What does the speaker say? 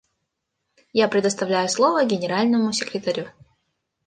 Я предоставляю слово Генеральному секретарю.